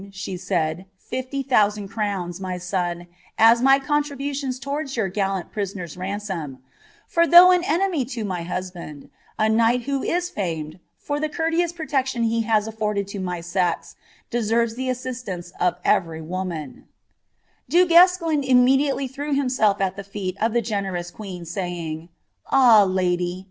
she said, '' til^y thousand crowns, my son, as my conlribu Uon towards your gallant prisoner's ransom ^ for though an en^my lo icy husbaml, a knight who is famed, for the courteous protection he has •nirOed to my sex, deserves the assistance of every woman ' Du Guesclin immediately llirew himsetf at the feet of the generous queen, saying —■* Ah, Uidy.